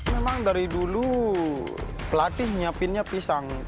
memang dari dulu pelatih nyiapinnya pisang